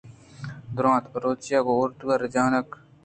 درونت۔ بلوچی گوں اردو رجانک۔